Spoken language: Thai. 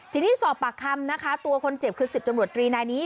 ทีนี้สอบปากคำนะคะตัวคนเจ็บคือ๑๐ตำรวจตรีนายนี้